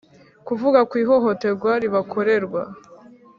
kuvuga ku ihohoterwa ribakorerwa